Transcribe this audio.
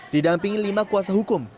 didampingi lima kuasa hukum